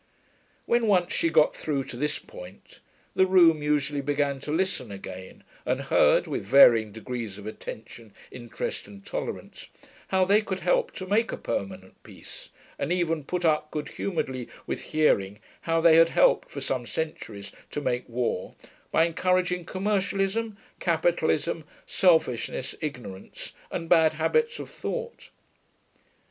When once she got through to this point, the room usually began to listen again, and heard, with varying degrees of attention, interest and tolerance, how they could help to make a permanent peace, and even put up good humouredly with hearing how they had helped, for some centuries, to make war, by encouraging commercialism, capitalism, selfishness, ignorance, and bad habits of thought.